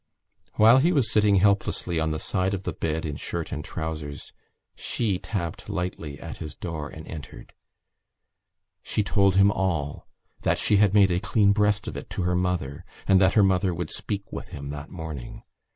While he was sitting helplessly on the side of the bed in shirt and trousers she tapped lightly at his door and entered. She told him all, that she had made a clean breast of it to her mother and that her mother would speak with him that morning.